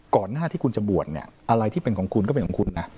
ก่อนหน้าที่คุณจะบวชเนี่ยอะไรที่เป็นของคุณก็เป็นของคุณนะ